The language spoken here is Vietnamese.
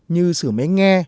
như sửa máy nghe